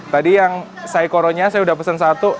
tadi yang saikoronya saya sudah pesan satu